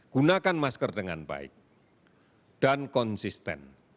gunakan masker dengan baik dan konsisten